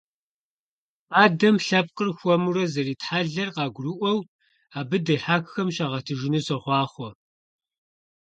Фадэм лъэпкъыр хуэмурэ зэритхьэлэр къагурыӀуэу абы дихьэххэм щагъэтыжыну сохъуахъуэ!